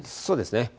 そうですね。